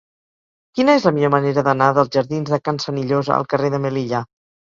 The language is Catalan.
Quina és la millor manera d'anar dels jardins de Can Senillosa al carrer de Melilla?